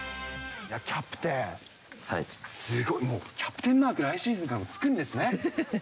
キャプテン、すごい、もうキャプテンマーク来シーズンからつけるんですね。